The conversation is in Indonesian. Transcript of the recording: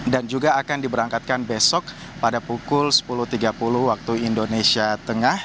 dan juga akan diberangkatkan besok pada pukul sepuluh tiga puluh waktu indonesia tengah